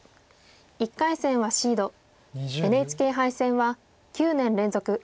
１回戦はシードＮＨＫ杯戦は９年連続９回目の出場です。